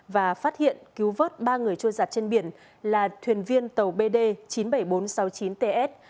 và phát hiện cứu vớt ba người trôi giặt trên biển là thuyền viên tàu bd chín mươi bảy nghìn bốn trăm sáu mươi chín ts